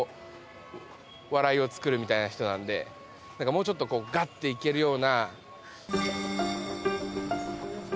もうちょっとガッていけるような。